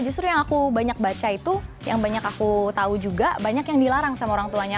justru yang aku banyak baca itu yang banyak aku tahu juga banyak yang dilarang sama orang tuanya